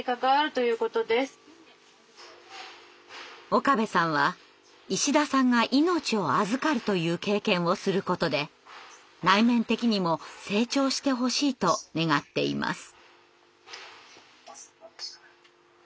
岡部さんは石田さんが命を預かるという経験をすることで内面的にも成長してほしいと願っています。